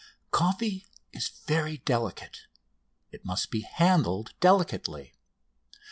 Coffee is very delicate. It must be handled delicately.